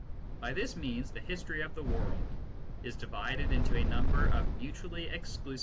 By this means, the history of the world is divided into a number of mutually exclusive biographies.